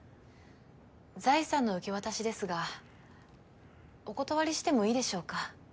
財産の受け渡しですがお断りしてもいいでしょうか？